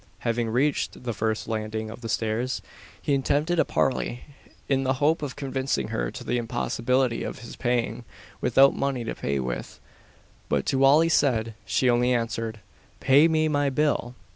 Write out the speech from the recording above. Having reached the first landing of the stairs, he attempted a parley, in the hope of convincing her of the impossibility of his paying, without money to pay with; but to all he said, she only answered "Pay me my bill!"